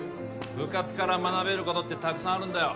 部活から学べることってたくさんあるんだよ